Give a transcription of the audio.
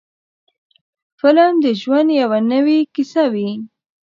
فلم د ژوند یوه نوې کیسه وي.